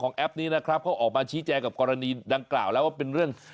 แอปนี้นะครับเขาออกมาชี้แจงกับกรณีดังกล่าวแล้วว่าเป็นเรื่อง